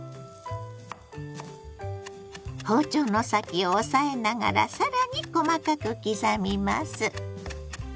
包丁の先を押さえながら更に細かく刻みます。